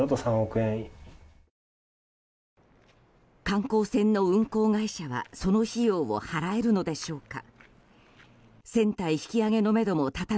観光船の運航会社はその費用を払えるのでしょうか。